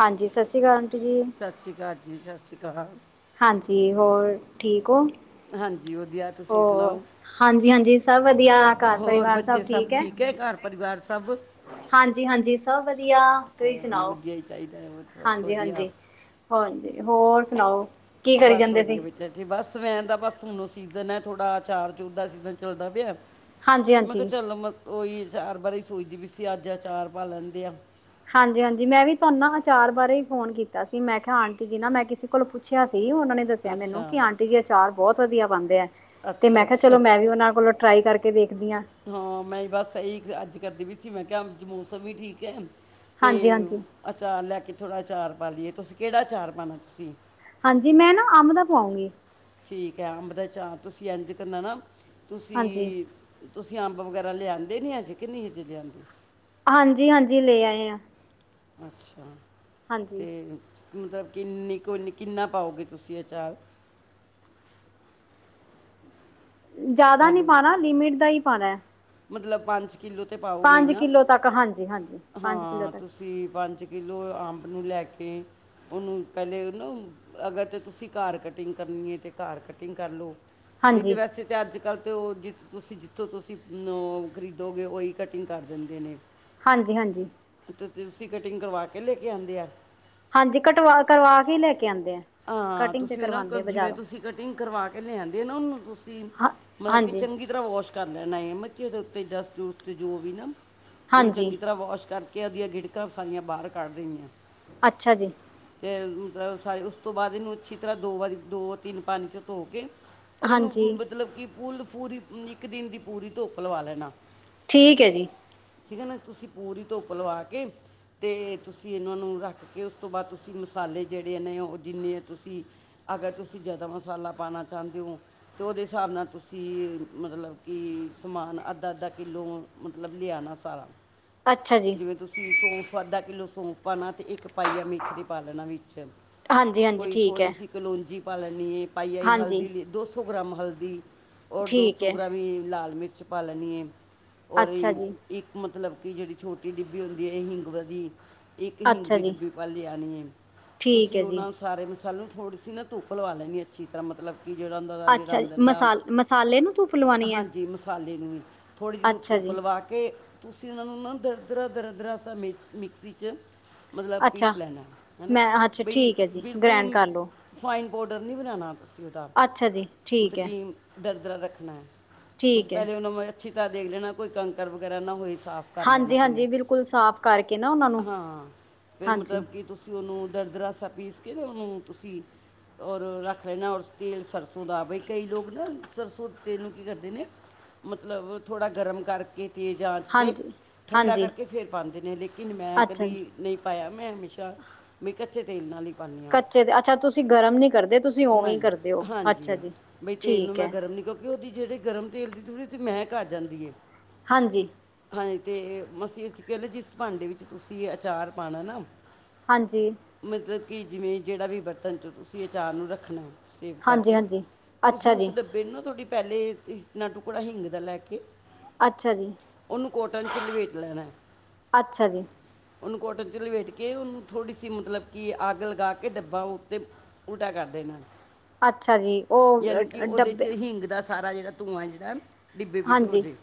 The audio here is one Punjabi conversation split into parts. ਹਾਂਜੀ, ਸਤਿ ਸ਼੍ਰੀ ਅਕਾਲ ਆਂਟੀ ਜੀ। ਸਤਿ ਸ਼੍ਰੀ ਅਕਾਲ ਜੀ, ਸਤਿ ਸ਼੍ਰੀ ਅਕਾਲ। ਹਾਂਜੀ, ਹੋਰ ਠੀਕ ਹੋ? ਹਾਂਜੀ ਵਧੀਆ, ਤੁਸੀਂ ਹੋਰ ਸੁਣਾਓ? ਹਾਂਜੀ ਹਾਂਜੀ, ਸਭ ਵਧੀਆ, ਘਰ ਪਰਿਵਾਰ ਸਭ ਠੀਕ ਹੈ? ਪਰਿਵਾਰ ਸਭ? ਹਾਂਜੀ ਹਾਂਜੀ, ਸਭ ਵਧੀਆ। ਤੁਸੀਂ ਚਲੋ ਜੀ, ਸੁਣਾਓ ਵਧੀਆ ਹੀ ਚਾਹੀਦੈ। ਹਾਂਜੀ ਹਾਂਜੀ [unintelligible] ਹਾਂਜੀ, ਹੋਰ ਸੁਣਾਓ? ਕੀ ਕਰੀ ਬਸ ਜਾਂਦੇ ਵਧੀਆ, ਸੀ ਬ ਜੀ ਬਸ ਮੈਂ ਤਾਂ ਬਸ ਹੁਣ ਸੀਜ਼ਨ ਹੈ ਥੋੜਾ, ਅਚਾਰ ਚੂਰ ਦਾ ਸੀਜਨ ਚੱਲਦਾ ਪਿਆ। ਹਾਂਜੀ ਮੈਂ ਕਿਹਾ ਹਾਂਜੀ ਚਲੋ, ਮੈਂ ਉਹੀ ਅਚਾਰ ਬਾਰੇ ਸੋਚਦੀ ਪਈ ਸੀ ਅੱਜ ਅਚਾਰ ਪਾ ਲੈਂਦੇ ਅਪਾਂ। ਹਾਂਜੀ ਹਾਂਜੀ, ਮੈਂ ਵੀ ਤੁਹਾਨੂੰ ਨਾ ਅਚਾਰ ਬਾਰੇ ਹੀ ਫ਼ੋਨ ਕੀਤਾ ਸੀ। ਮੈਂ ਕਿਹਾ ਆਂਟੀ ਜੀ ਨਾ, ਮੈਂ ਕਿਸੇ ਕੋਲ ਪੁੱਛਿਆ ਸੀ ਉਹਨਾਂ ਨੇ ਦੱਸਿਆ ਮੈਨੂੰ, ਅੱਛਾ ਕਿ ਆਂਟੀ ਜੀ ਅਚਾਰ ਬਹੁਤ ਵਧੀਆ ਪਾਉਂਦੇ ਹੈ, ਤੇ ਅੱਛਾ ਮੈਂ ਕਿਹਾ ਅੱਛਾ ਚਲੋ ਮੈਂ ਵੀ ਉਹਨਾਂ ਕੋਲੋਂ ਟਰਾਈ ਕਰਕੇ ਦੇਖਦੀ ਹਾਂ। ਹਾਂ, ਮੈਂ ਬਸ ਏਹੀ ਅੱਜ ਕਰਦੀ ਪਈ ਸੀ, ਮੈਂ ਕਿਹਾ ਮੌਸਮ ਵੀ ਠੀਕ ਹੈ। ਤੇ ਹਾਂਜੀ ਹਾਂਜੀ ਅਚਾਰ ਲੈ ਕੇ ਥੋੜ੍ਹਾ, ਅਚਾਰ ਪਾ ਲਈਏ। ਤੁਸੀਂ ਕਿਹੜਾ ਅਚਾਰ ਪਾਉਣਾ ਤੁਸੀਂ? ਹਾਂਜੀ, ਮੈਂ ਨਾ ਅੰਬ ਦਾ ਪਵਾਉਂਗੀ। ਠੀਕ ਹੈ ਅੰਬ ਦਾ ਅਚਾਰ, ਤੁਸੀਂ ਇੰਝ ਕਰਨਾ ਨਾ, ਹਾਂਜੀ, ਤੁਸੀਂ ਤੁਸੀਂ ਅੰਬ ਵਗੈਰਾ ਲਿਆਦੇ ਨੇ ਅੱਜ, ਕਿ ਨੀ ਅਜ਼ੇ ਲਿਆਂਂਦੇ? ਹਾਂਜੀ ਹਾਂਜੀ, ਲੇ ਆਏ ਹਾਂ। ਅੱਛਾ, ਹਾਂਜੀ। ਤੇ ਮਤਲਬ ਕਿੰਨੀ ਕੁਨੀ ਕਿੰਨਾ ਪਾਓਗੇ ਤੁਸੀਂ ਅਚਾਰ? ਜ਼ਿਆਦਾ ਨਹੀਂੀ ਹੈਲੋ ਪਾਉਣਾ, ਲਿਮਿਟ ਦਾ ਹੀ ਪਾਉਣਾ। ਮਤਲਬ ਪੰਜ ਕਿੱਲੋ ਤੇ ਪਾਓਗੇ ਨਾ, ਕਿੱਲੋ ਤੱਕ ਹਾਂਜੀ-ਹਾਂਜੀ ਪੰਜ ਕਿੱਲੋ ਹਾਂ ਤੱਕ ਤੁਸੀਂ ਪੰਜ ਕਿਲੋ ਅੰਬ ਨੂੰ ਲੈ ਕੇ, ਉਹਨੂੰ ਪਹਿਲੇ ਉਹ ਨਾ ਅਗਰ ਤਾਂ ਤੁਸੀਂ ਕਰ ਕਟਿੰਗ ਕਰਨੀ ਹੈ, ਤਾਂ ਕਰ ਕਟਿੰਗ ਕਰ ਲਉ ਨਹੀਂ ਹਾਂਜੀ, ਤੇ ਵੈਸੇ ਤਾਂ ਅੱਜ ਕੱਲ੍ਹ ਤੇ ਉਹ, ਜ ਤੁਸੀਂ ਜਿੱਥੋਂ ਤੁਸੀਂ ਖਰੀਦੋਗੇ, ਉਹੀ ਕਟਿੰਗ ਕਰ ਦਿੰਦੇ ਨੇ ਹਾਂਜੀ ਹਾਂਜੀ ਤੁਲਸੀ ਕਟਿੰਗ ਕਰਵਾ ਕੇ ਲੈ ਕੇ ਆਂਦੇ ਆ। ਹਾਂਜੀ, ਕਟਵਾ ਕਰਵਾ ਕੇ ਈ ਲੈ ਕੇ ਆਂਦੇ ਏਂ। ਹਾਂ, ਤੁਸੀਂ ਉਹਨਾਂ ਜਿਵੇਂ ਤੁਸੀਂ ਕਟਿੰਗ ਕਰਵਾ ਕੇ ਲਿਆਂਦੇ ਓ ਨਾ, ਉਹਨੂੰ ਤੁਸੀਂ ਹਾਂ ਮਤਲਬ ਕਿ ਹਾਂਜੀ, ਚੰਗੀ ਤਰ੍ਹਾਂ ਵਾਸ਼ ਕਰ ਲੈਣਾ ਇਹ ਮਤ ਕਿ ਉਹਦੇ ਉੱਤੇ ਡਸਟ-ਡੂਸਟ ਜੋ ਵੀ ਨਾ, ਉਹਨੂੰ ਹਾਂਜੀ ਚੰਗੀ ਤਰ੍ਹਾਂ ਵਾਸ਼ ਕਰ ਕ ਉਹਦੀਆਂ ਗਿੜਕਾਂ ਸਾਰੀਆਂ ਬਾਹਰ ਕੱਢ ਦੇਣੀਆਂ। ਅੱਛਾ ਜੀ। ਤੇ ਸ ਉਸ ਤੋਂ ਬਾਅਦ ਇਹਨੂੰ ਅੱਛੀ ਤਰ੍ਹਾਂ ਦੋ ਵਾਰੀ, ਦੋ-ਤਿੰਨ ਪਾਣੀ ਚ ਧੋ ਕੇ ਔਰ ਇਹਨੂੰ ਹਾਂਜੀ। ਮਤਲਬ ਕਿ ਪੁੱਲ ਫੂਰੀ ਇੱਕ ਦਿਨ ਦੀ ਪੂਰੀ ਧੁੱਪ ਲਵਾ ਲੈਣਾ। ਠੀਕ ਐ ਜੀ। ਠੀਕ ਐ ਨਾਂ, ਤੁਸੀਂ ਪੂਰੀ ਧੁੱਪ ਲਵਾ ਕੇ ਤੇ ਤੁਸੀਂ ਇਹਨਾਂ ਨੂੰ ਰੱਖ ਕੇ, ਉਸ ਤੋਂ ਬਾਅਦ ਤੁਸੀਂ ਮਸਾਲੇ ਜੇੜੇ ਨੇ ਉਹ ਜਿੰਨੇ ਆ ਤੁਸੀਂ ਅਗਰ ਤੁਸੀਂ ਜ਼ਿਆਦਾ ਮਸਾਲਾ ਪਾਉਣਾ ਚਾਂਦੇ ਓਂ ਤੇ ਉਹਦੇ ਸਾਬ ਨਾਲ ਤੁਸੀਂ ਮਤਲਬ ਕਿ ਸਮਾਨ ਅੱਧਾ-ਅੱਧਾ ਕਿੱਲੋ ਮਤਲਬ ਲਿਆਣਾ ਸਾਰਾ ਅੱਛਾ ਜੀ। ਜਿਵੇਂ ਤੁਸੀਂ ਸੌਂਫ ਅੱਧਾ ਕਿੱਲੋ ਸੌਂਫ ਪਾਣਾ ਤੇ ਇੱਕ ਪਾਈਆ ਮੇਥਰੀ ਪਾਲੈਣਾ ਵਿੱਚ ਹਾਂਜੀ-ਹਾਂਜੀ ਕੋਈ ਠੀਕ ਥੋੜੀ ਐ ਸੀ ਕਲੋਂਜੀ ਪਾ ਲੈਣੀ ਐ, ਪਾਈਆ ਈ ਹਲਦੀ ਹਾਂਜੀ। ਲ ਦੋ ਸੌ ਗ੍ਰਾਮ ਹਲਦੀ ਔਰ ਦੋ ਠੀਕ ਸੌ ਐ ਗ੍ਰਾਮ ਲਾਲ ਮਿਰਚ ਪਾ ਲੈਂਣੀ ਐ। ਔਰ ਅੱਛਾ ਇਹ ਜੀ, ਇੱਕ ਮਤਲਬ ਕਿ ਜੇੜੀ ਛੋਟੀ ਡਿੱਬੀ ਹੁੰਦੀ ਐ ਹਿੰਗ ਵਲੀ ਇੱਕ ਹਿੰਗ ਅੱਛਾ ਦੀ ਜੀ ਡੱਬੀ ਪਾ ਲਿਆਣੀ ਐ, ਠੀਕ ਤੁਸੀਂ ਐ ਉਹ ਜੀ। ਨਾਂ ਸਾਰੇ ਮਸਾਲੋ ਥੋੜੀੇ ਸੀ ਨਾ ਧੁੱਪ ਲਵਾ ਲੈਂਣੀ ਅੱਛੀ ਤਰ੍ਹਾਂ, ਮਤਲਬ ਕਿ ਜਿਹੜਾ ਉਹਂਦਾ ਦਾ ਜਿਹੜਾ ਅੱਛਾ ਜੀ ਅੰਦਰ ਦਾ ਮਸਾ ਮਸਾਲੇ ਨੂੰ ਧੁੱਪ ਲਵਾ ਹਾਂਜੀ, ਮਸਾਲੇ ਨੂੰ ਈ, ਥੋੜ੍ਹੀ ਜਿਹੀ ਅੱਛਾ ਜੀ ਧੁੱਪਲਵਾ ਕਿ ਤੁਸੀਂ ਉਹਨਾਂ ਨੂੰ ਨਾ, ਦਰ-ਦਰਾ ਦਰ-ਦਰਾ ਸਾ ਮਿਕਸੀ ਚ ਮਤਲਬ ਅੱਛਾ ਪੀਸ ਲੈਣਾ ਹੈ ਨਾਂ, ਮੈਂ ਅੱਛਾ ਬਈ ਠੀਕ ਹੈ ਜੀ ਗ੍ਰੈਂਡ ਬਿਲਕੁਲ ਕਰ ਲਓ ਫਾਈਨ ਪਾਊਡਰ ਨਈਂ ਬਣਾਣਾ। ਅਸੀਂ ਉਹਦਾ ਅੱਛਾ ਜੀ ਠੀਕ ਮਤਲਬ ਹੈ ਕਿ ਦਰਦਰਾ ਰੱਖਣਾ ਐ। ਤੁਸੀਂ ਠੀਕ ਹੈ ਪਹਿਲੇ ਉਹਨਾਂ ਨੂੰ ਅਛੀ ਤਰ੍ਹਾਂ ਦੇਖ ਲੈਣਾ, ਕੋਈ ਕੰਕਰ ਵਗੈਰਾ ਨਾ ਹੋਏ ਸਾਫ਼ ਕਰ ਲੈਣਾ ਹਾਂਜੀ ਪਹਿਲੇ, ਹਾਂਜੀ ਬਿਲਕੁਲ ਸਾਫ਼ ਕਰਕੇ ਨਾ ਉਹਨਾਂ ਨੂੰ ਹਾਂ ਫੇਰ ਹਾਂਜੀ ਮਤਲਬ ਕਿ ਤੁਸੀਂ ਉਹਨੂੰ ਦਰਦਰਾਸਾ ਪੀਸ ਕੇ ਤੇ ਉਹਨੂੰ ਤੁਸੀਂ ਔਰ ਰੱਖ ਲੈਣਾ ਔਰ ਤੇਲ ਸਰਸੋਂ ਦਾ, ਬਈ ਕਈ ਲੋਕ ਨਾ ਸਰਸੋਂ ਤੇਲ ਨੂੰ ਕੀ ਕਰਦੇ ਨੇਂ, ਮਤਲਬ ਥੋੜ੍ਹਾ ਗਰਮ ਕਰਕੇ ਤੇਜ਼ ਆ ਹਾਂਜੀ ਠੰਡਾ ਹਾਂਜੀ ਕਰਕੇ, ਫੇਰ ਪਾਂਦੇ ਨੇ ਲੇਕਿਨ ਮੈਂ ਅੱਛਾ ਕਦੀ ਜੀ ਨਈਂ ਪਾਇਆ ਮੈਂ ਹਮੇਸ਼ਾ ਮੈਂ ਕੱਚੇ ਤੇਲ ਨਾਲ ਈ ਪਾਨੀ ਆਂ। ਕੱਚੇ ਦੇ ਅੱਛਾ ਤੁਸੀਂ ਗਰਮ ਨਹੀਂ ਕਰਦੇ ਤੁਸੀਂ ਉਵੇਂ ਹੀ ਨਈਂ, ਕਰਦੇ ਹੋ ਅੱਛਾ ਹਾਂਜੀ ਜੀ ਬਈ ਤੇਲ ਨੂੰ ਠੀਕ ਮੈਂ ਹੈ ਗਰਮ ਨੀਂ ਕਿਉਂ ਕਿ ਉਹਦੀ ਜਿਹੜੇ ਗਰਮ ਤੇਲ ਦੀ ਥੋੜੀ ਮਹਿਕ ਆ ਜਾਂਦੀ ਐ। ਹਾਂਜੀ ਹਾਂਜੀ ਤੇ ਮਸੀਂ ਕਹਿ ਲਓ, ਜਿਸ ਭਾਂਡੇ ਵਿੱਚ ਤੁਸੀਂ ਅਚਾਰ ਪਾਣਾ ਨਾਂ ਹਾਂਜੀ। ਮਤਲਬ ਕਿ ਜਿਵੇਂ ਜਿਹੜਾ ਵੀ ਬਰਤਨ ਚੋਂ ਤੁਸੀਂ ਅਚਾਰ ਨੂੰ ਰੱਖਣਾ। ਸੇਵ ਹਾਂਜੀ ਕਰਕੇ ਹਾਂਜੀ ਤੁਸੀਂ ਅੱਛਾ ਉਸ ਜੀ ਡੱਬ ਬੈਨੂੰ ਥੋਡੀ ਪਹਿਲੇ ਇਤਨਾਂ ਟੁਕੜਾ ਹਿੰਗ ਦਾ ਲੈ ਕੇ ਅੱਛਾ ਜੀ ਉਹਨੂੰ ਕੋਟਨ ਚ ਲਵੇਟ ਲੈਣਾ ਅੱਛਾ ਜੀ ਉਨੂੰ ਕੋਟਨ ਚ ਲਵੇੇਟ ਕੇ ਉਨੂੰ ਥੋੜ੍ਹੀ ਸੀ ਮਤਲਬ ਕਿ ਅੱਗ ਲਗਾ ਕੇ ਡੱਬਾ ਉੱਤੇ ਉਲਟਾ ਕਰ ਦੇਣਾਂ। ਅੱਛਾ ਜੀ, ਉਹ ਚ ਡੱਬੇ ਹਿੰਗ ਦਾ ਸਾਰਾ ਜਿੜਾ ਧੂੰਆਂ ਐ ਜੇੜਾ ਡਿੱਬੇ ਵਿੱਚ ਹੋ ਹਾਂਜੀ ਜਾਏ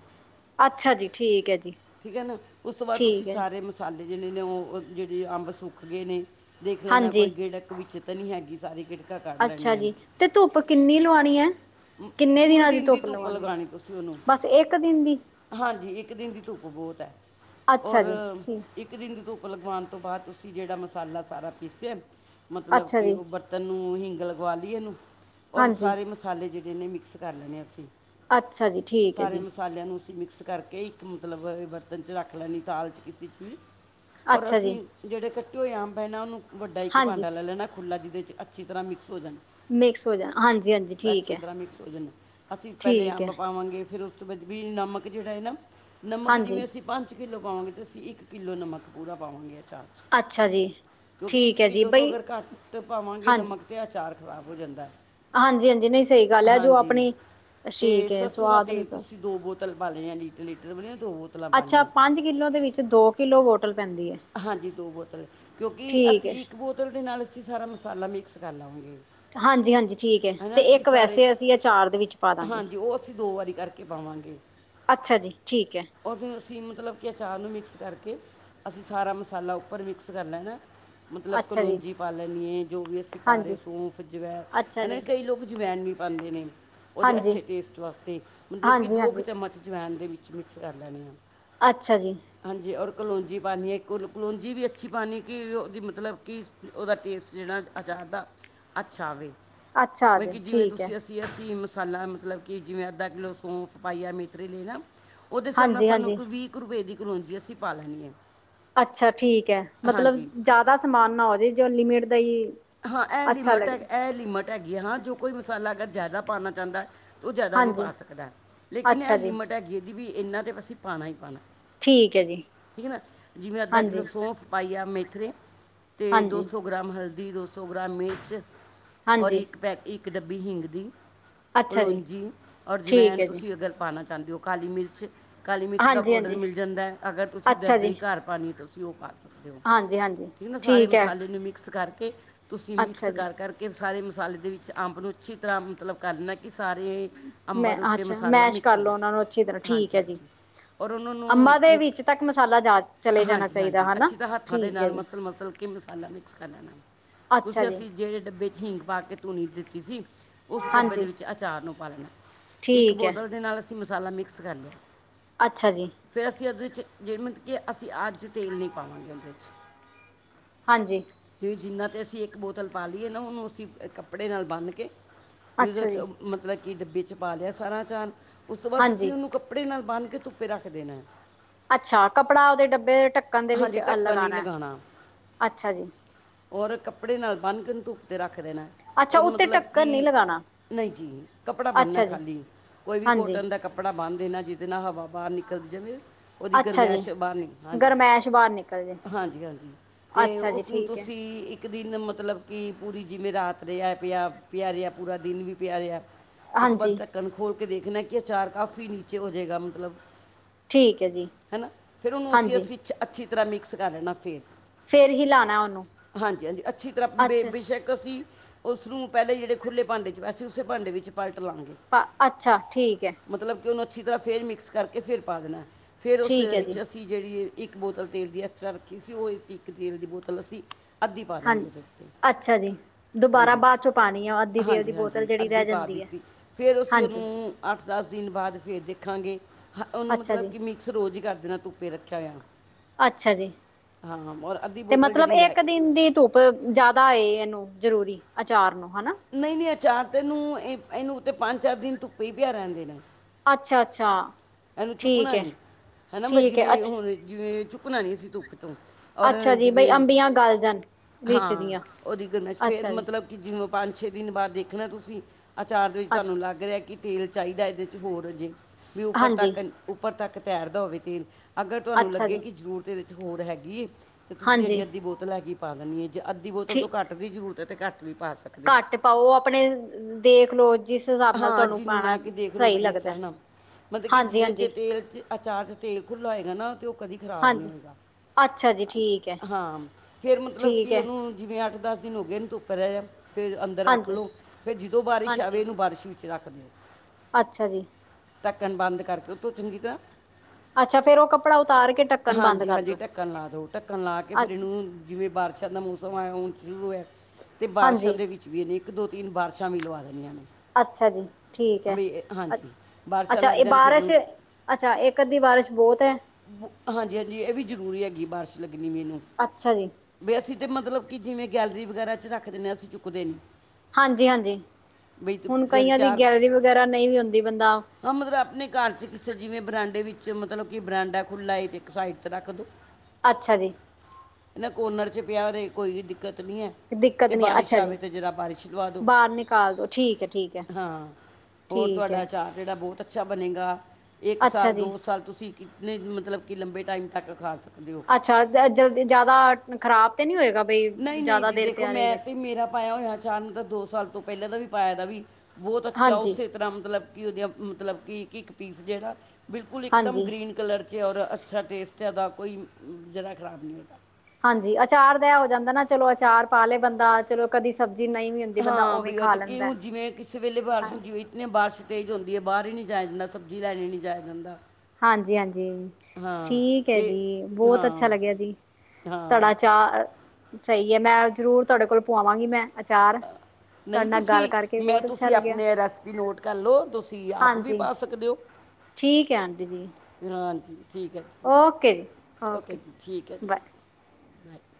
ਅੱਛਾ ਜੀ ਠੀਕ ਹੈ ਜੀ ਠੀਕ ਹੈ ਨਾ ਉਸ ਤੋਂ ਬਾਦ ਤੁਸੀਂ ਠੀਕ ਹੈ ਸਾਰੇ ਮ ਸਾਲੇ ਜਿਹੜੇ ਨੇ ਉਹ ਜਿਹੜੇ ਅੰਬ ਸੁੱਕ ਗਏ ਨੇ ਦੇਖ ਲੈਂਣਾ ਕੋਈ ਹਾਂਜੀ ਗੇੜਕ ਵਿੱਚ ਤਾਂ ਨਹੀਂ ਹੈਗੀ ਸਾਰੀ ਕਿ ਅੱਛਾ ਜੀ ਤੇ ਧੁੱਪ ਕਿੰਨੀ ਲਵਾਣੀ ਹੈ ਕਿੰ ਮ- ਕਿੰਨੇ ਪੂਰੇ ਦਿਨਾਂ ਦੀ ਦਿਨ ਧੁੱਪ ਲਵਾਣੀ ਐ ਲਗਾਣੀ ਤੁਸੀਂ ਉਹਨੂੰ ਬਸ ਇੱਕ ਦਿਨ ਦੀ ਹਾਂਜੀ ਇੱਕ ਦਿਨ ਦੀ ਧੁੱਪ ਬੋਤ ਹੈ ਅੱਛਾ ਔਰ ਜੀ ਠੀਕ ਇੱਕ ਦਿਨ ਦੀ ਧੁੱਪ ਲਗਵਾਣ ਤੋਂ ਬਾਅਦ ਤੁਸੀਂ ਜਿਹੜਾ ਮਸਾਲਾ ਸਾਰਾ ਪੀਸਿਆ ਮਤਲਬ ਅੱਛਾ ਕਿ ਜੀ ਉਹ ਬ ਤਨ ਨੂੰ ਹਿੰਗ ਲਗਵਾ ਲਈਏ ਇਹਨੂੰ ਔਰ ਹਾਂਜੀ ਸਾਰੇ ਮਸਾਲੇ ਜਿਹੜੇ ਨੇ ਮਿਕਸ ਕਰ ਲੈਣੇ ਅਸੀਂ ਅੱਛਾ ਜੀ ਠੀਕ ਹੈ ਸਾਰੇ ਜੀ ਮਸਾਲਿਆਂ ਨੂੰ ਅਸੀਂ ਮਿਕਸ ਕਰਕੇ ਕ ਇੱਕ ਮਤਲਬ ਬਰਤਨ 'ਚ ਰੱਖ ਲੈਂਣੀ ਥਾਲ 'ਚ ਕਿਸੇ 'ਚ ਵੀ ਔਰ ਅੱਛਾ ਅਸੀਂ ਜੀ ਜਿਹੜੇ ਕੱਟੇ ਹੋਏ ਅੰਬ ਹੈ ਨਾ ਉਹਨੂੰ ਵੱਡਾ ਇੱਕ ਹਾਂਜੀ ਭਾਂਡਾ ਲੈ ਲੈਣਾ ਖੁੱਲਾ ਜਿਹਦੇ ਚ ਅੱਛੀ ਤਰ੍ਹਾਂ ਮਿਕਸ ਹੋ ਜਾਣੀ ਮਿਕਸ ਹੋ ਜਾਣ ਹਾਂਜੀ ਹਾਂਜੀ ਠੀਕ ਹੈ ਮਿਕਸ ਹੋ ਜਾਂਦਾ ਅਸੀਂ ਪੈਲੇ ਠੀਕ ਹੈ ਅੰਬ ਪਾਵਾਂਗੇ ਫਿਰ ਉਸ ਤੋਂ ਵਿੱਚ ਅ ਵੀ ਨਮਕ ਜਿਹੜਾ ਹੈ ਨਾ ਨਮਕ ਜਿਵੇਂ ਹਾਂਜੀ ਅਸੀਂ ਪੰਜ ਕਿੱਲੋ ਪਾਵਾਂਗੇ ਤਾਂ ਅਸੀਂ ਇੱਕ ਕਿੱਲੋ ਨਮਕ ਪੂਰਾ ਪਾਵਾਂਗੇ ਚਾਰ ਅੱਛਾ ਜੀ ਕਿਉਂਕਿ ਇੱਕ ਠੀਕ ਹੈ ਜੀ ਕਿੱਲੋ ਤੋਂ ਬਈ ਅਗਰ ਘੱਟ ਪਾਵਾਂਗੇ ਹਾਂਜੀ ਨਮਕ ਤੇ ਆਚਾਰ ਖਰਾਬ ਹੋ ਜਾਂਦਾ ਹੈ ਹਾਂਜੀ ਹਾਂਜੀ ਨਹੀਂ ਸਹੀ ਗੱਲ ਹੈ ਜੋ ਹਾਂਜੀ ਆਪਣੀ ਤੇ ਠੀਕ ਹੈ ਸਰਸੋਂ ਦਾ ਸਵਾਦ ਤੇਲ ਅਨੁਸਾਰ ਤੁਸੀਂ ਦੋ ਬੋਤਲ ਪਾ ਲਏ ਜਾਂ ਲੀਟਰ ਲੀਟਰ ਬਣੇ ਦੋ ਬੋਤਲ ਅੱਛਾ ਪੰਜ ਕਿੱਲੋ ਦੇ ਵਿੱਚ ਦੋ ਕਿੱਲੋ ਬੋਟਲ ਪੈਂਦੀ ਹੈ ਹਾਂਜੀ ਦੋ ਬੋਤਲ ਕਿਉਂਕਿ ਠੀਕ ਹੈ ਅਸੀਂ ਇੱਕ ਬੋਤਲ ਦੇ ਨਾਲ ਅਸੀਂ ਸਾਰਾ ਮਸਾਲਾ ਮਿਕਸ ਕਰ ਲਵਾਂਗੇ ਹਾਂਜੀ ਹਾਂਜੀ ਠੀਕ ਹੈ ਤੇ ਹਨਾ ਇੱਕ ਵੈਸੇ ਅਸੀਂ ਇਹ ਅਚਾਰ ਦੇ ਵਿੱਚ ਪਾ ਦਾਂਗੇ ਤੇ ਉਹ ਅਸੀਂ ਦੋ ਵਾਰੀ ਕਰਕੇ ਪਾਵਾਂਗੇ ਅੱਛਾ ਜੀ ਠੀਕ ਹੈ ਉਹ ਦਿਨ ਅਸੀਂ ਮਤਲਬ ਕਿ ਅਚਾਰ ਨੂੰ ਮਿਕਸ ਕਰਕੇ ਅਸੀਂ ਸਾਰਾ ਮਸਾਲਾ ਉੱਪਰ ਮਿਕਸ ਕਰ ਲੈਣਾ ਮਤਲਬ ਅੱਛਾ ਜੀ ਕਲੋਂਜੀ ਪਾ ਲੈਣੀਏ ਜੋ ਵੀ ਅਸੀਂ ਪਾ ਰਹੇ ਹਾਂਜੀ ਸੌਂਫ ਜ ਵੈ ਅੱਛਾ ਹਨਾ ਜੀ ਕਈ ਲੋਕ ਜਵੈਨ ਵੀ ਪਾਂਦੇ ਨੇ ਉਹਦੇ ਹਾਂਜੀ। ਅੱਛੇ ਟੇਸਟ ਵਾਸਤੇ ਮਤਲਬ ਕਿ ਦੋ ਕੁ ਹਾਂਜੀ-ਹਾਂਜੀ ਚਮਚ ਜਵੈਨ ਦੇ ਵਿੱਚ ਮਿਕਸ ਕਰ ਲੈਣੇ ਆ ਅੱਛਾ ਜੀ ਹਾਂਜੀ ਔਰ ਕਲੋਂਜੀ ਪਾਣੀ ਹੈ ਕੋ ਕਲੋਂਜੀ ਵੀ ਅੱਛੀ ਪਾਣੀ ਕਿ ਉਹਦੀ ਮਤਲਬ ਕਿ ਉਹਦਾ ਟੇਸਟ ਜਿਹੜਾ ਅਚਾਰਦਾ ਅੱਛਾ ਆਵੇ ਅੱਛਾ ਆ ਮਤ ਜੇ ਕਿ ਜਿਵੇਂ ਠੀਕ ਹੈ ਤੁਸੀਂ ਅਸੀਂ ਅਸੀ ਸਾਲਾ ਮਤਲਬ ਕਿ ਜਿਵੇਂ ਅੱਧਾ ਕਿੱਲੋ ਸੌਂਫ ਪਾਈ ਆ ਮੇਥਰੀ ਲੈ ਨਾ ਉਹਦੇ ਹਿਸਾਬ ਨਾਲ ਸਾਨੂੰ ਹਾਂਜੀ-ਹਾਂਜੀ। ਕੋਈ ਵੀ ਵੀ ਕੁ ਰਪੇ ਦੀ ਕਲੋਂਜੀ ਅਸੀਂ ਪਾ ਲੈਣੀ ਹੈ ਅੱਛਾ ਠੀਕ ਹੈ ਮਤਲਬ ਹਾਂਜੀ ਜ਼ਿਆਦਾ ਸਮਾਨ ਨਾ ਹੋ ਜਾੇ ਜੋ ਲਿਮਿਟ ਦਾ ਹੀ ਹਾਂ ਐ ਲਿ ਅੱਛਾ ਮਟਹੈ ਲੱਗੇ ਇਹਲੀਮਟ ਹੈਗੀ ਹੈ ਹਾਂ ਜੋ ਕੋਈ ਮਸਾਲਾ ਅਗਰ ਜ਼ਿਆਦਾ ਪਾਣਾ ਚਾਹੁੰਦਾ ਹੈ ਉਹ ਜ਼ਿਆਦਾ ਵੀ ਹਾਂਜੀ ਪਾ ਸਕਦਾ ਹੈ ਲੇਕਿਨ ਇਹ ਅੱਛਾ ਜੀ ਲਿਮਟ ਹੈਗੇ ਇਹਦੀ ਵੀ ਇੰਨਾ ਤਾਂ ਅਸੀਂ ਪਾਣਾ ਹੀ ਪਾਣਾ ਠੀਕ ਹੈ ਜੀ ਠੀਕ ਹੈ ਨਾ ਜਿਵੇਂ ਅੱਧਾ ਕਿੱਲੋ ਹਾਂਜੀ-ਹਾਂਜੀ। ਸੌਂਫ ਪਾਈਆ ਮੇਥਰੇ ਅਤੇ ਦੋ ਹਾਂਜੀ ਸੌ ਗ੍ਰਾਮ ਹਲਦੀ ਦੋ ਸੌ ਗ੍ਰਾਮ ਮਿਰਚ ਔਰ ਹਾਂਜੀ ਇੱਕ ਪੈਕ ਇੱਕ ਡੱਬੀ ਹਿੰਗ ਦੀ ਅੱਛਾ ਜੀ ਕਲੋਂਜੀ ਔਰ ਠੀਕ ਜਵਾੈਣ ਹੈ ਜੀ ਤੁਸੀਂ ਅਗਰ ਪਾਣਾ ਚਾਂਦੇ ਹੋ ਕਾਲੀ ਮਿਰਚ ਕਾਲੀ ਮਿਰਚ ਦਾ ਪਾਊਡਰ ਹਾਂਜੀ-ਹਾਂਜੀ ਮਿਲ ਜਾਂਦਾ ਅਗਰ ਤੁਸੀਂ ਅੱਛਾ ਜੀ। ਦਰਦਰੀ ਘਰ ਪਾਣੀ ਹੈ ਤਾਂ ਤੁਸੀਂ ਉਹ ਪਾ ਸਕਦੇ ਹਾਂਜੀ-ਹਾਂਜੀ ਠੀਕ ਨਾ ਸਾਰੇ ਹੈ ਮਸਾਲੇ ਨੂੰ ਮਿਕਸ ਕਰਕੇ ਤੁਸੀਂ ਮਿਕਸ ਅੱਛਾ ਜੀ ਕਰ ਕਰ ਕਿ ਸਾਰੇ ਮਸਾਲੇ ਦੇ ਵਿੱਚ ਅੰਬ ਨੂੰ ਅੱਛੀ ਤਰ੍ਹਾਂ ਮਤਲਬ, ਕਰਨਾ ਕਿ ਸਾਰੇ, ਅੰਬਾਂ ਮੈਂ ਦੇ ਉੱਤੇ ਅੱਛਾ ਮਸਾਲਾ ਮੈਸ਼ ਮਿਕਸ ਕਰ ਹੋ ਲਓ ਜਾਏ, ਉਹਨਾਂ ਨੂੰ ਅੱਛੀ ਤਰ੍ਹਾਂ ਠੀਕ ਹੈ ਜੀ ਹਾਂਜੀ-ਹਾਂਜੀ। ਔਰ ਉਹਨਾਂ ਨੂੰ ਅੰਬਾ ਦੇ ਮਿਕਸ, ਵਿੱਚ ਤੱਕ ਮਸਾਲਾ ਜਾ ਚਲੇ ਜਾਣਾ ਚਾਹੀਦਾ ਹਾਂਜੀ-ਹਾਂਜੀ, ਹੈ ਨਾ ਅੱਛੀ ਤਰ੍ਹਾਂ ਹੱਥਾਂ ਦੇ ਠੀਕ ਹੈ ਨਾਲ ਜੀ ਮਸਲ-ਮਸਲ ਕੇ ਮਸਾਲਾ ਮਿਕਸ ਕਰ ਲੈਣਾ, ਅੱਛਾ ਤੁਸੀਂ ਜੀ ਅਸੀਂ ਜਿਹੜੇ ਡੱਬੇ ਹਿੰਗ ਪਾਕੇ ਧੂਣੀ ਦਿੱਤੀ ਸੀ, ਉਸ ਡੱਬੇ ਦੇ ਹਾਂਜੀ ਵਿੱਚ ਅਚਾਰ ਨੂੰ ਪਾ ਲੈਣਾ। ਇੱਕ ਠੀਕ ਹੈ ਬੋਤਲ ਦੇ ਨਾਲ, ਅਸੀਂ ਮਸਾਲਾ ਮਿਕਸ ਕਰ ਲਿਆ। ਅੱਛਾ ਜੀ। ਫਿਰ ਅਸੀਂ ਉਹਦੇ 'ਚ ਜਿਹੜੇ ਮਤਲਬ ਕਿ, ਅਸੀਂ ਅੱਜ ਤੇਲ ਨਹੀਂ ਪਾਵਾਂਗੇ ਉਹਦੇ 'ਚ। ਹਾਂਜੀ। ਕਿ ਜਿੰਨ੍ਹਾਂ ਤਾਂ ਅਸੀਂ ਇੱਕ ਬੋਤਲ ਪਾ ਲਈਏ ਨਾ, ਉਹਨੂੰ ਉਸੀ ਕੱਪੜੇ ਨਾਲ ਬੰਨ੍ਹਕੇ ਵੀ ਅੱਛਾ ਉਹਦਾ'ਚ ਜੀ ਮਤਲਬ ਕਿ ਡੱਬੇ 'ਚ ਪਾਲਿਆ ਸਾਰਾ ਅਚਾਰ, ਉਸ ਤੋਂ ਬਾਅਦ ਤੁਸੀਂ ਹਾਂਜੀ ਉਹਨੂੰ ਕੱ ਕੱਪੜੇ ਨਾਲ ਬੰਨਕੇ, ਧੁੱਪੇ ਰੱਖ ਦੇਣਾ ਏ। ਅੱਛਾ, ਕੱਪੜਾ ਉਹਦੇ ਡੱਬੇ ਢੱਕਣ ਦੇ ਵਿੱਚ ਹਾਂਜੀ ਅ ਲਗਾਣੈ, ਅੱਛਾ ਜੀ। ਓਰ ਕੱਪੜੇ ਨਾਲ ਬੰਨ੍ਹਕੇ ਉਹਨੂੰ ਧੁੱਪ ਤੇ ਰੱਖ ਦੇਣਾ ਏ, ਅੱਛਾ ਓਰ ਉੱਤੇ ਮਤਲਬ ਢੱਕਣ ਨਹੀਂ ਕਿ ਲਗਾਉਣਾ ਨਹੀਂ ਜੀ, ਕੱਪੜਾ ਬਣਨਾ ਅੱਛਾ ਜੀ ਖਾਲੀ ਕੋਈ ਵੀ ਹਾਂਜੀ ਕੋਟਨ ਦਾ ਕੱਪੜਾ ਬੰਨ ਦੇਣਾ, ਜਿ ਜਿਹਦੇ ਨਾਲ ਹਵਾ ਬਾਹਰ ਨਿਕਲਦੀ ਜਾਵੇ, ਉਹਦੀ ਅੱਛਾ ਜੀ ਗਰਮੈਸ਼ ਬਾਹਰ ਨਿਕ, ਹਾਂਜੀ। ਗਰਮੈਸ਼ ਬਾਹਰ ਨਿਕਲ ਜੇ ਹਾਂਜੀ-ਹਾਂਜੀ, ਤੇ ਅੱਛਾ ਜੀ ਉਸਨੂੰ ਠੀਕ ਹੈ ਤੁਸੀਂ ਇੱਕ ਇੱਕ ਦਿਨ ਮਤਲਬ ਕਿ, ਪੂਰੀ ਜਿਮੇ ਰਾਤ ਰਿਹਾ, ਪਿਆ-ਪਿਆ ਰਿਹਾ, ਪੂਰਾ ਦਿਨ ਵੀ ਪਿਆ ਰਿਹਾ ਉਸ ਤੋਂ ਬਾਅਦ ਹਾਂਜੀ ਢੱਕਣ ਖੋਲਕੇ ਦੇਖਣਾ ਕਿ, ਅਚਾਰ ਕਾਫ਼ੀ ਨੀਚੇ ਹੋਜੇਗਾ ਮਤਲਬ। ਠੀਕ ਹੈ ਜੀ ਹੈਨਾ, ਫਿਰ ਉਹਨੂੰ ਹਾਂਜੀ ਅਸੀਂ-ਅਸੀਂ, ਅੱਛੀ ਤਰ੍ਹਾਂ ਮਿਕਸ ਕਰ ਲੈਣਾ ਫੇਰ। ਫਿਰ ਹਿਲਾਉਣਾ ਉਹਨੂੰ ਹਾਂਜੀ-ਹਾਂਜੀ, ਅੱਛੀ ਤਰ੍ਹਾਂ ਬੇ, ਅੱਛਾ ਬੇਸ਼ੱਕ ਅਸੀ ਉਸਨੂੰ ਪਹਿਲੇ ਜਿਹੜੇ ਖੁੱਲੇ ਭਾਂਡੇ'ਚ, ਵੈਸੇ ਉਸੇ ਭਾਂਡੇ ਵਿੱਚ ਪਲਟ ਲਾਂਗੇ। ਆ, ਅੱਛਾ, ਠੀਕ ਐ। ਮਤਲਬ ਕਿ, ਉਹਨੂੰ ਅੱਛੀ ਤਰ੍ਹਾਂ ਫੇਰ ਮਿਕਸ ਕਰਕੇ ਫੇਰ ਪਾ ਦੇਣਾ, ਫੇਰ ਠੀਕ ਉਸੇ ਹੈ ਜੀ ਵਿੱਚ ਅਸੀ ਜਿਹੜੀ ਇੱਕ ਬੋਤਲ ਤੇਲ ਦੀ ਐਕਸਰਾ ਰੱਖੀ ਸੀ, ਉਹ ਇੱਕ ਇੱਕ ਤੇਲ ਦੀ ਬੋਤਲ ਅਸੀ ਅੱਧੀ ਪਾ ਦਾਂਗੇ, ਹਾਂਜੀ ਉਹਦੇ ਉੱਤੇ ਅੱਛਾ ਜੀ ਦੁਬਾਰਾ ਹਾਂਜੀ, ਬਾਅਦ 'ਚੋਂ ਪਾਉਣੀ ਆ ਅੱਧੀ ਦੇਰ ਦੀ ਹਾਂਜੀ-ਹਾਂਜੀ। ਬੋਤਲ ਜਿਹੜੀ ਅੱਧੀ ਰਹਿ ਪਾ ਜਾਂਦੀ ਹੈ ਦਿੱਤੀ, ਫੇਰ ਔਸੀ ਹਾਂਜੀ ਉਹਨੂੰ ਅੱਠ-ਦਸ ਦਿਨ ਬਾਅਦ ਫੇਰ ਦੇਖਾਂਗੇ, ਹ ਉਹਨੂੰ ਅੱਛਾ ਮਤਲਬ ਜੀ ਕਿ ਮਿ ਕਸ ਰੋਜ਼ ਹੀ ਕਰਦੇਣਾ, ਧੁੱਪੇ ਰੱਖਿਆ ਹੋਇਆ। ਅੱਛਾ ਜੀ, ਹਾਂ ਔਰ ਅੱਧੀ ਤੇ ਬੋਤਲ ਮਤਲਬ ਜਿਹੜੀ ਇੱਕ ਰਹਿ- ਦਿਨ ਦੀ ਧੁੱਪ ਪਰ ਜ਼ਿਆਦਾ ਏ ਇਹਨੂੰ ਜ਼ਰੂਰੀ, ਅਚਾਰ ਨੂੰ ਹਨਾ। ਨਹੀਂ-ਨਹੀਂ ਅਚਾਰ ਤੇ ਇਹਨੂੰ, ਇਹ, ਇਹਨੂੰ ਤੇ ਪੰਜ-ਚਾਰ ਦਿਨ ਧੁੱਪੇ ਹੀ ਪਿਆ ਰੇਣ ਦੇਣੈ। ਅੱਛਾ-ਅੱਛਾ। ਇਹਨੂੰ ਚੁੱਕਣਾ ਨੀ, ਹੈਨਾ ਬ ਹੈ ਜਿਵੇਂ ਅੱਛ ਹੁਣ ਜਿਵੇਂ ਚੁੱਕਣਾ ਨੀ, ਅਸੀਂ ਧੁੱਪ ਤੋਂ। ਔਰ ਅੱਛਾ ਜੀ ਬਈ ਜਿਵੇਂ, ਅੰਬੀਆਂ ਗਲ ਜਾਣ ਵਿੱਚ ਹਾਂ, ਦੀਆਂ ਉਹਦੀ ਗੱਲ'ਚ ਫੇਰ ਅੱਛਾ ਜੀ ਮਤਲਬ ਕਿ ਜਿਵੇਂ ਪੰਜ-ਛੇ ਦਿਨ ਬਾਅਦ ਦੇਖਣਾ ਤੁਸੀਂ, ਅਚਾਰ ਦੇ ਵਿੱਚ ਅੱ ਤੁਹਾਨੂੰ ਲੱਗ ਰਿਹਾ ਕਿ ਤੇਲ ਚਾਹੀਦਾ ਇਹਦੇ'ਚ ਹੋਰ ਜੇ, ਵੀ ਉੱਪਰ ਹਾਂਜੀ ਤੱਕਨ, ਉੱਪਰ ਤੱਕ ਤੈਰਦਾ ਹੋਵੇ ਤੇਲ। ਅਗਰ ਤੁਹਾਨੂੰ ਅੱਛਾ ਲੱਗੇ ਜੀ ਕਿ ਜ਼ਰੂਰਤ ਇਹਦੇ'ਚ ਹੋਰ ਹੈਗੀ ਏ, ਤੇ ਤੁਸੀਂ ਜਿਹੜੀ ਹਾਂਜੀ ਅੱਧੀ ਬੋਤਲ ਹੈਗੀ ਪਾ ਦੇਣੀ ਏ, ਜੇ ਅੱਧ ਧੀ ਬੋਤਲ ਠੀ ਤੋਂ ਘੱਟ ਦੀ ਜ਼ਰੂਰਤ ਹੈ, ਤੇ ਘੱਟ ਵੀ ਪਾ ਸਕ ਘੱਟ ਪਾਓ, ਆਪਣੇ ਦੇਖਲੋ, ਜਿਸ ਹਿਸਾਬ ਨਾਲ ਹਾਂ ਤੁਹਾਨੂੰ ਪਾਣਾ, ਜਿੰਨਾ ਕਿ ਦੇਖ ਲਓ ਸਹੀ ਵੀ ਜਿਸ ਲੱਗਦਾ। ਤਰ੍ਹਾਂ ਨਾ ਮਤਲਬ ਕਿ ਹਾਂਜੀ ਜਿ, ਜੇ ਹਾਂਜੀ ਤੇਲ'ਚ, ਅਚਾਰ'ਚ ਤੇਲ ਖੁੱਲਾ ਹੋਏਗਾ ਨਾ, ਤੇ ਉਹ ਕਦੀ ਖ਼ਰਾਬ ਨਹੀਂ ਹਾਂਜੀ ਹੋਏਗਾ, ਅੱਛਾ ਜੀ ਹ ਠੀਕ ਹੈ ਹਾਂ, ਫਿਰ ਮਤਲਬ ਠੀਕ ਕਿ ਹੈ ਉਹਨੂੰ ਜਿਵੇਂ ਅੱਠ-ਦੱਸ ਦਿਨ ਹੋ ਗਏ ਇਹਨੂੰ ਧੁੱਪ ਰਿਹਾ ਆ ਫਿਰ ਅੰਦਰ ਰੱਖ ਹਾਂਜੀ ਲਉ, ਫਿਰ ਜਿਦੋਂ ਬਾਰਿਸ਼ ਆਵੇ ਹਾਂਜੀ ਇਹਨੂੰ ਬਾਰਿਸ਼ ਵੀ ਚ ਰੱਖਦੇ ਅੱਛਾ ਜੀ। ਢੱਕਣ ਬੰਦ ਕਰਕੇ, ਓਤੌ ਚੰਗੀ ਤਰਾਂ। ਅੱਛਾ ਫੇਰ ਉਹ ਕੱਪੜਾ ਉਤਾਰ ਕੇ ਢੱਕਣ ਬੰਦ ਹਾਂਜੀ ਕਰ -ਹਾਂਜੀ ਦੋ ਢੱਕਣ ਲਾ ਦੋ, ਢੱਕਣ ਲਾ ਕੇ ਅ ਫੇਰ ਇਹਨੂੰ ਜਿਵੇਂ, ਬਾਰਿਸ਼ਾਂ ਦਾ ਮੌਸਮ ਆਇਆ, ਹੁਣ ਸ਼ੁਰੂ ਹੈ ਤੇ ਬਾਰਿਸ਼ਾਂ ਹਾਂਜੀ ਦੇ ਵਿੱਚ ਵੀ, ਇੱਕ ਦੋ ਤਿੰਨ, ਬਾਰਿਸ਼ਾਂ ਵੀ ਲਵਾ ਦੇਣੀਆਂ ਨੇ। ਅੱਛਾ ਜੀ ਠੀਕ ਹੈ, ਵੀ ਇਹ- ਅ ਹਾਂਜੀ ਬਾਰਿਸ਼ਾਂ ਅੱਛਾ ਲੱਗ ਇਹ ਬਾ। ਜਾਣ ਫਿਰ ਬਾਰਿਸ਼, ਇਹਨੂੰ ਅੱਛਾ, ਇੱਕ ਅੱਧੀ ਬਾਰਿਸ਼ ਬਹੁਤ ਏ। ਹਾਂਜੀ -ਹਾਂਜੀ, ਇਹ ਵੀ, ਜ਼ਰੂਰੀ ਹੈਗੀ ਬਾਰਿਸ਼ ਲੱਗਣੀ ਞੀ ਐਨੂੰ। ਅੱਛਾ ਜੀ। ਵੀ, ਅਸੀਂ ਤਾਂ ਮਤਲਬ, ਕਿ ਜਿਵੇਂ ਗੈਲਰੀ ਵਗੈਰਾ ਵਿਚ ਰੱਖ ਦੇਿੰਦੇ ਹਾਂ। ਅਸੀਂ ਚੁੱਕਦੇ ਨਹੀਂ। ਹਾਂਜੀ -ਹਾਂਜੀ ਬਈ ਤੂੰ ਹੁਣ ਜਿਹੜੇ ਕਈਆਂ ਦੀ ਚਾਰ ਗੈਲਰੀ ਵਗੈਰਾ ਨਹੀਂ ਵੀ ਹੁੰਂਦੀ। ਬੰਦਾ ਹਾਂ, ਮਤਲਬ ਆਪਣੇ। ਘਰ ਚ, ਕਿਸੇ ਜਿਵੇਂ, ਬਰਾਂਡੇ ਵਿੱਚ ਮਤਲਬ ਕਿ ਬਰਾਂਡਾ ਖੁੱਲਾ ਹੈ, ਤੇ ਇੱਕ ਸਾਈਡ ਤੇ ਰੱਖ ਦੋ ਅੱਛਾ ਜੀ। ਲੈ ਕੋਨਰ ਚ ਪਿਆ ਰਹੇ, ਕੋਈ ਦਿੱਕਤ ਨਹੀਂ ਹੈ। ਦਿੱਕਤ ਤੇ ਨਹੀਂ ਬਾਰਿਸ਼ ਅੱਛਾ ਆਵੇ, ਜੀ ਤੇ ਜਰਾ ਬਾਰਿਸ਼ ਲਵਾ ਦਉ ਬਾਹਰ ਨਿਕਾਲ ਦੋ ਠੀਕ ਹੈ ਠੀਕ ਹੈ ਹਾਂ। ਹੋਰ, ਠੀਕ ਤੁਹਾਡਾ ਹੈ ਅਚਾਰ ਜਿਹੜਾ ਬਹੁਤ ਅੱਛਾ ਬਣੇਗਾ। ਇੱਕ ਅੱਛਾ ਸਾਲ ਜੀ ਦੋ ਸਾਲ ਤੁਸੀਂ ਕਿਤਨੇ, ਕਿ ਮਤਲਬ, ਲੰਬੇ ਟਾਈਮ ਤੱਕ ਖਾ ਸਕਦੇ। ਹੋ ਅਚਾਰ ਜਿਆਦਾ, ਖ਼ਰਾਬ ਤੇ ਨਹੀਂ ਹੋਏਗਾ, ਬਈ ਨਹੀਂ ਨਹੀਂ ਜ਼ਿਆਦਾ ਜੀ ਦੇਰ ਦੇਖੋ ਪਿਆ ਰਹੇਗਾ ਮੈਂ ਮੇਰਾ ਪਾਇਆ ਹੋਇਆ। ਅਚਾਰ ਤਾਂ ਦੋ ਸਾਲ ਤੋਂ, ਪਹਿਲਾਂ ਦਾ ਵੀ ਪਾਇਆ ਦਾ ਵੀ, ਬਹੁਤ ਅੱਛਾ, ਹਾਂਜੀ ਉਸੇ ਤਰ੍ਹਾਂ ਮਤਲਬ ਕਿ ਉਹਦੀਆਂ ਮਤਲਬ ਇੱਕ- ਇੱਕ ਪੀਸ, ਜਿਹੜਾ ਬਿਲਕੁਲ ਇੱਕ ਦਮ ਹਾਂਜੀ ਗ੍ਰੀਨ। ਕਲਰ ਜਿਯਾ, ਅੱਛਾ ਟੇਸਟ ਹੈ ਉਹਦਾ ਕੋਈ ਜਿਆ੍ਹਦਾ ਖਰਾਬ ਨਹੀਂ ਹੋਏਗਾ। ਹਾਂਜੀ, ਅਚਾਰ ਦਾ ਐ ਹੋ ਜਾਂਦਾ ਨਾ ਚਲੋ, ਅਚਾਰ ਪਾ ਲਏ ਬੰਦਾ ਚਲੋ ਕਦੀ ਸਬਜ਼ੀ ਨਹੀਂ ਵੀ। ਹੁੰਦੀ ਬੰਦਾ ਹਾਂ ਉਵੇਂ ਬਈ, ਖਾ ਐਦ ਲੈਂਦਾ ਕੱਯੂ ਜਿਵੇਂ ਕਿਸੇ ਵੇਲੇ ਹਾਂ ਬਾਰਿਸ਼ ਹੋਂਦੀ ਪਈ ਜੇ ਬਾਰਿਸ਼ ਤੇਜ਼ ਹਦੀ ਹੈ, ਬਾਹਰ ਹੀ ਨਹੀਂ ਜਾਇਆ ਜਾਂਦਾ। ਸਬਜ਼ੀ ਲੈਣ ਨਹੀਂ ਜਾਇਆ ਜਾਂਦਾ ਹਾਂਜੀ -ਹਾਂਜੀ। ਹਾਂ ਠੀਕ ਹੈ ਤੇ ਜੀ, ਬਹੁਤ ਅੱਛਾ ਹਾਂ ਲੱਗਿਆ ਜੀ, ਤੁਹਾਡਾ ਹਾਂ ਅਚਾਰ। ਸਹੀ ਹੈ, ਮੈਂ ਜ਼ਰੂਰ ਤੁਹਾਡੇ ਕੋਲ ਪਵਾਵਾਂਗੀ ਮੈਂ ਅਚਾਰ। ਤੁਹਾਡੇ ਨਹੀਂ, ਨਾਲ ਗੱਲ ਤੁਸੀਂ ਕਰਕੇ ਮੈਂ ਬਹੁਤ ਅੱਛਾ ਤੁਸੀਂ, ਲੱਗਿਆ ਆਪਣੇ ਰੈਸਪੀ ਨੋਟ ਕਰ ਲਓ, ਤੁਸੀਂ ਆਪ ਵੀ ਹਾਂਜੀ ਪਾ ਸਕਦੇ ਹੋ ਠੀਕ ਹੈ, ਆਂਟੀ ਜੀ। ਹਾਂ ਜੀ ਠੀਕ ਹੈ। ਓਕੇ -ਓਕੇ ਜੀ ਬਾਏ। ਹੈ।